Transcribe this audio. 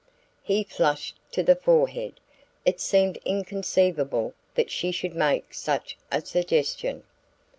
He flushed to the forehead: it seemed inconceivable that she should make such a suggestion.